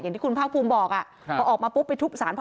อย่างที่คุณพ่าภูมิบอกค่ะ